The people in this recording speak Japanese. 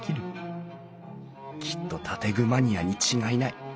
きっと建具マニアに違いない！